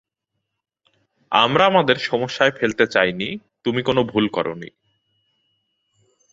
আমরা আমাদের সমস্যায় ফেলতে চাইনি তুমি কোনো ভুল করোনি।